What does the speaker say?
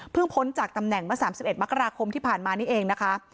เพิ่งพ้นจากตำแหน่งเมื่อสามสิบเอ็ดมกราคมที่ผ่านมานี่เองนะคะ